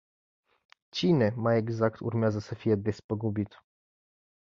Cine, mai exact, urmează să fie despăgubit?